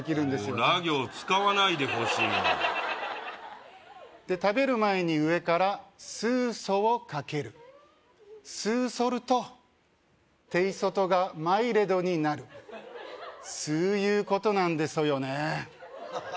もうら行使わないでほしいなで食べる前に上からスーソをかけるすうそるとテイソトがマイレドになるすういうことなんでそよね